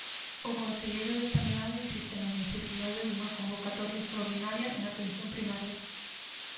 O conselleiro de Sanidade insiste na necesidade dunha convocatoria extraordinaria en atención primaria.